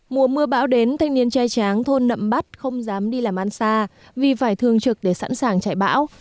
mùa mưa bão đến thanh niên trai tráng thôn nậm bắt không dám đi làm ăn xa vì phải thường trực để sẵn sàng chạy bão